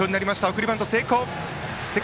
送りバント成功。